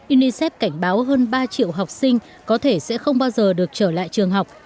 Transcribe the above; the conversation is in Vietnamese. unicef cảnh báo hơn ba triệu học sinh có thể sẽ không bao giờ được trở lại trường học